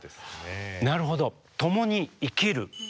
なるほど。